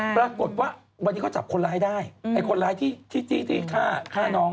ปรากฏว่าวันนี้เขาจับคนร้ายได้ไอ้คนร้ายที่ฆ่าน้อง